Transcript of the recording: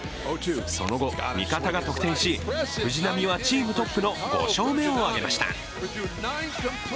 その後、味方が得点し、藤浪はチームトップの５勝目を挙げました。